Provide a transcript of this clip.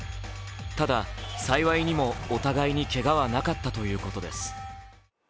ただ、幸いにもお互いにけがはなかったということです。